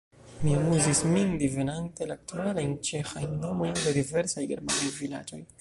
Mi amuzis min, divenante la aktualajn ĉeĥajn nomojn de diversaj germanaj vilaĝoj.